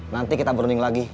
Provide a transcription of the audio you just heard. nanti kita berunding lagi